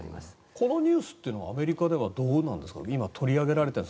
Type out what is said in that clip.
このニュースはアメリカではどうなんですか。